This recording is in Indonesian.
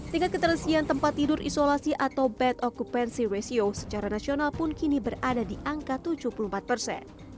tingkat keterisian tempat tidur isolasi atau bed occupancy ratio secara nasional pun kini berada di angka tujuh puluh empat persen